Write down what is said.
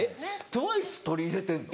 ＴＷＩＣＥ取り入れてんの？